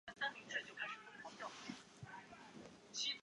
曾获得香港电影金像奖最佳男配角以及金马奖最佳男主角奖。